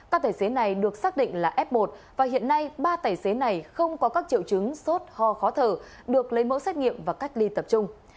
các tài xế này được xác định là f một và hiện nay ba tài xế này không có các triệu chứng sốt ho khó thở được lấy mẫu xét nghiệm và cách ly tập trung